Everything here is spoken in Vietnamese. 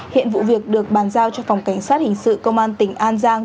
hiện vụ việc được bàn giao cho phòng cảnh sát hình sự công an tỉnh an giang